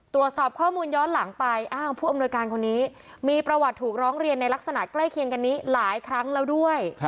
ตรวจสอบข้อมูลย้อนหลังไปอ้าวผู้อำนวยการคนนี้มีประวัติถูกร้องเรียนในลักษณะใกล้เคียงกันนี้หลายครั้งแล้วด้วย